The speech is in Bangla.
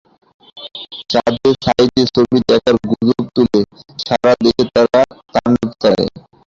চাঁদে সাঈদীর ছবি দেখার গুজব তুলে সারা দেশে তারা তাণ্ডব চালায়।